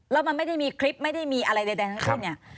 แล้วมันไม่ได้มีคลิปไม่ได้มีอะไรใดทั้งสิ้นเนี่ย